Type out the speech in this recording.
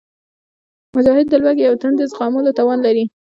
مجاهد د لوږې او تندې زغملو توان لري.